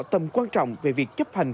tầm quan trọng về việc chấp hành